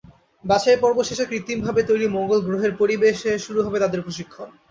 বাছাইপর্ব শেষে কৃত্রিমভাবে তৈরি মঙ্গল গ্রহের পরিবেশে শুরু হবে তাঁদের প্রশিক্ষণ।